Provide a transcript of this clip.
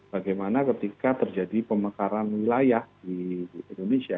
bagaimana ketika terjadi pemekaran wilayah di indonesia